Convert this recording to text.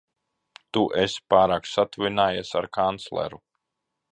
Tu esi pārāk satuvinājies ar kancleru.